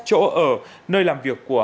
chỗ ở nơi làm việc của